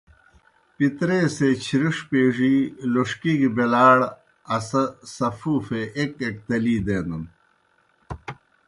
پِتریسےچِھرِݜ پیڙِی لوݜکی گہ بیلاڑ اسہ سفوفے ایْک ایْک تلی دینَن۔